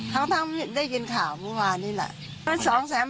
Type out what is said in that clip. ทั้งได้ยินข่าวเมื่อวานนี้แหละ